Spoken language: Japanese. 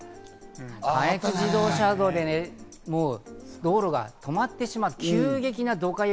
関越自動車道でね、道路が止まってしまった、急激なドカ雪、